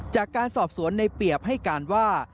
จากการสอบสวนในเปรียบให้การว่า